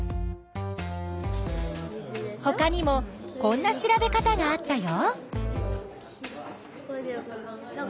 ほかにもこんな調べ方があったよ。